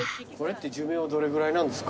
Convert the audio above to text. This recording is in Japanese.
寿命どれぐらいなんですか？